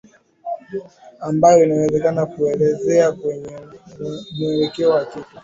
ambayo inaweza kukuelezea kwenye mwelekeo wa kitu